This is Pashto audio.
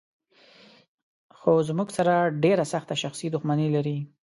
خو زموږ سره ډېره سخته شخصي دښمني لري.